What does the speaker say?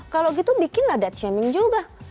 kalau gitu bikinlah dead shaming juga